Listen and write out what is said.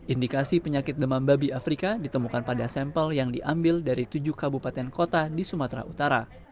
indikasi penyakit demam babi afrika ditemukan pada sampel yang diambil dari tujuh kabupaten kota di sumatera utara